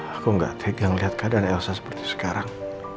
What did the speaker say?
aku gak tegang liat keadaan elsa seperti sekarang